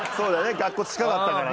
学校近かったからね。